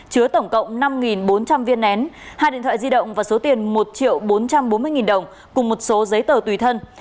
chứa tổng cộng năm bốn trăm linh viên nén hai điện thoại di động và số tiền một triệu bốn trăm bốn mươi đồng cùng một số giấy tờ tùy thân